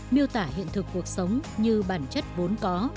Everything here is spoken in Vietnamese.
miêu tả hiện thực cuộc sống như bản chất vốn có